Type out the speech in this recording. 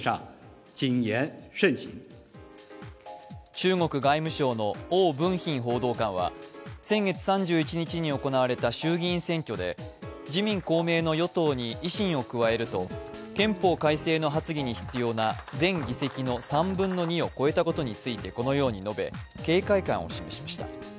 中国外務省の汪文斌報道官は、先月３１日に行われた衆議院選挙で自民・公明の与党に維新を加えると憲法改正の発議に必要な全議席の３分の２を超えたことについてこのように述べ、警戒感を示しました。